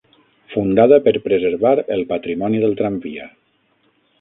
Fundada per preservar el patrimoni del tramvia.